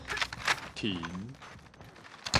斟